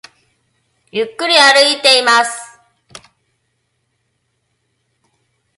ゆっくり歩いています